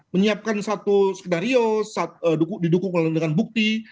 menyiapkan satu skenario didukung melalui dengan bukti